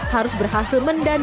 harus berhasil mendandung